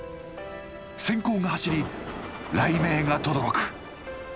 閃光が走り雷鳴がとどろく。